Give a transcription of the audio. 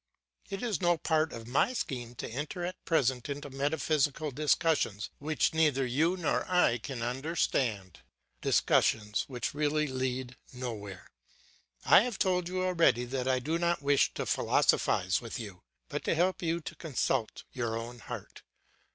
It is no part of my scheme to enter at present into metaphysical discussions which neither you nor I can understand, discussions which really lead nowhere. I have told you already that I do not wish to philosophise with you, but to help you to consult your own heart.